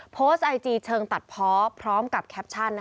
โพสต์ไอจีเชิงตัดเพาะพร้อมกับแคปชั่น